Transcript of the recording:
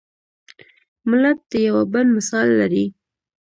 ملت د یوه بڼ مثال لري.